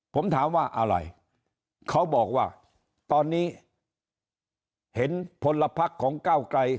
ผมถามว่าอะไรเขาบอกว่าตอนนี้เห็นผลพักของก้าวไกร